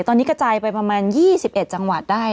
ตอนนี้กระจายไปประมาณ๒๑จังหวัดได้